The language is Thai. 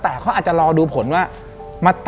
แต่เขาอาจจะรอดูผลว่า